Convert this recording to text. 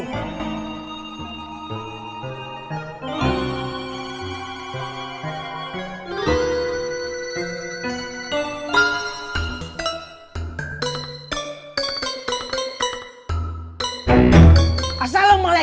nah gua bolet lapah